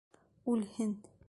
Үлһен!